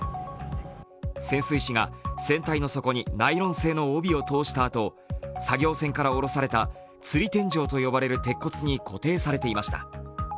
潜水士が船体の底にナイロン製の帯を通したあと、作業船から下ろされたつり天井と呼ばれる鉄骨に固定されていました。